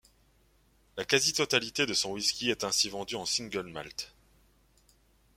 La quasi-totalité de son whisky est ainsi vendue en single malt.